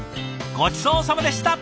ごちそうさまでした！